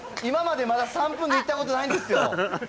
今までまだ３分で行ったことないんですよ。